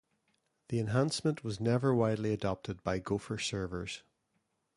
The enhancement was never widely adopted by Gopher servers.